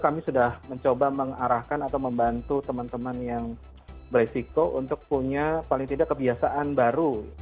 kami sudah mencoba mengarahkan atau membantu teman teman yang beresiko untuk punya paling tidak kebiasaan baru